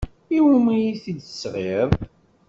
I wumi ay t-id-tesɣiḍ?